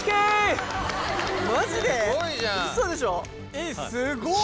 えっすごっ。